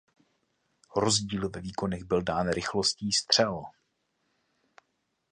Rozdíl ve výkonech byl dán rychlostí střel.